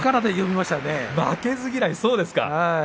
負けず嫌い、そうですか。